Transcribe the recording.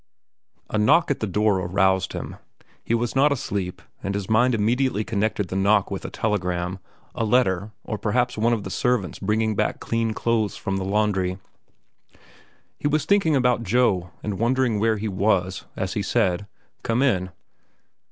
A knock at the door aroused him. He was not asleep, and his mind immediately connected the knock with a telegram, or letter, or perhaps one of the servants bringing back clean clothes from the laundry. He was thinking about Joe and wondering where he was, as he said, "Come in."